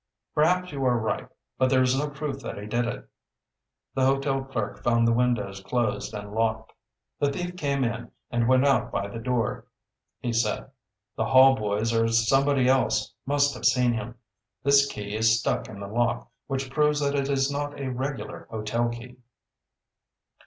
"Perhaps you are right. But there is no proof that he did it." The hotel clerk found the windows closed and locked. "The thief came in and went out by the door," he said. "The hall boys or somebody else must have seen him. This key is stuck in the lock, which proves that it is not a regular hotel key."